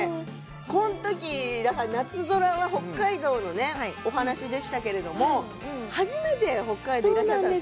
この時、「なつぞら」は北海道のお話でしたけど初めて北海道にいらっしゃったんですよね。